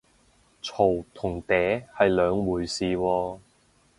嘈同嗲係兩回事喎